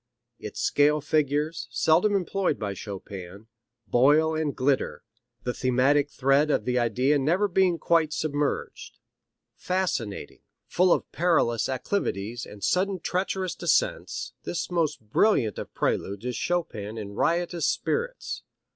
Its scale figures, seldom employed by Chopin, boil and glitter, the thematic thread of the idea never being quite submerged. Fascinating, full of perilous acclivities and sudden treacherous descents, this most brilliant of preludes is Chopin in riotous spirits.